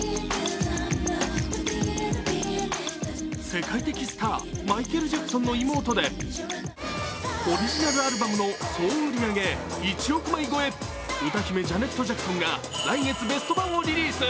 世界的スター、マイケル・ジャクソンの妹でオリジナルアルバムの総売上１億枚超え、歌姫ジャネット・ジャクソンが来月ベスト盤をリリース。